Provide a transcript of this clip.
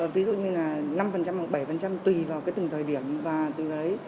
ví dụ như là năm hoặc bảy tùy vào cái từng thời điểm và từ đấy